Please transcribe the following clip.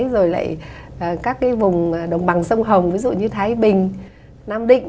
rồi lại các cái vùng đồng bằng sông hồng ví dụ như thái bình nam định